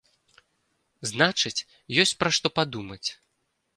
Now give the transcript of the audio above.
Значыць, ёсць пра што падумаць.